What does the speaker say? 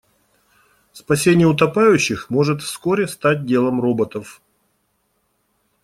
Спасение утопающих может вскоре стать делом роботов.